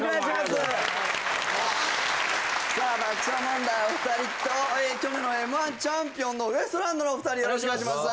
いやどうもありがとうございますさあ爆笑問題お二人と去年のＭ−１チャンピオンのウエストランドのお二人よろしくお願いします